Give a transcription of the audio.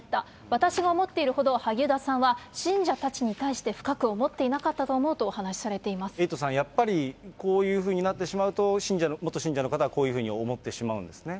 私が思っているほど、萩生田さんは信者たちに対して深く思っていなかったと思うとお話エイトさん、やっぱりこういうふうになってしまうと、信者の、元信者の方はこういうふうに思ってしまうんですね。